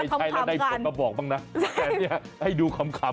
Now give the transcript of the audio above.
ใช่แล้วได้บอกบ้างนะให้ดูคำ